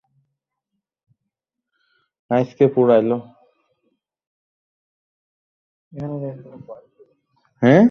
শহীদ মিনার নতুন প্রজন্মকে একাত্তরের শহীদদের কাহিনি জানতে কৌতূহলী করে তোলে।